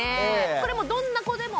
これもうどんな子でも。